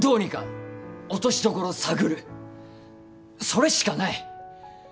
それしかない。